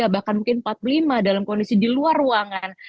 bahkan mungkin empat puluh lima dalam kondisi di luar ruangan